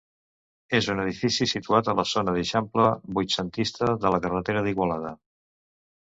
És un edifici situat en la zona d'eixample vuitcentista de la carretera d'Igualada.